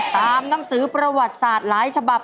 ตามหนังสือประวัติศาสตร์หลายฉบับ